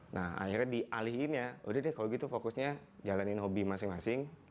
nah akhirnya dialihin ya udah deh kalau gitu fokusnya jalanin hobi masing masing